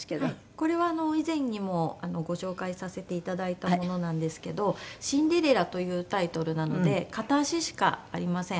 これは以前にもご紹介させていただいたものなんですけど『シンデレラ』というタイトルなので片足しかありません。